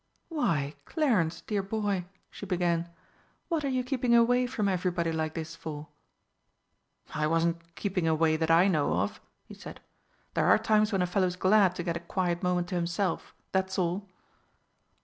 "Why, Clarence, dear boy," she began, "what are you keeping away from everybody like this for?" "I wasn't 'keeping away' that I know of," he said. "There are times when a fellow's glad to get a quiet moment to himself, that's all."